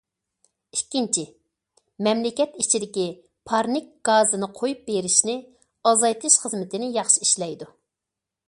ئىككىنچى، مەملىكەت ئىچىدىكى پارنىك گازىنى قويۇپ بېرىشنى ئازايتىش خىزمىتىنى ياخشى ئىشلەيدۇ.